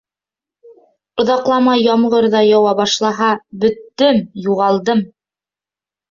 Оҙаҡламай ямғыр ҙа яуа башлаһа, бөттөм, юғалдым.